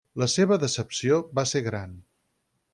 La seva decepció va ser gran.